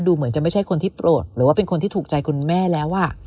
เหมือนจะไม่ใช่คนที่โปรดหรือว่าเป็นคนที่ถูกใจคุณแม่แล้ว